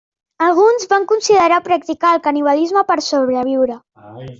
Alguns van considerar practicar el canibalisme per sobreviure.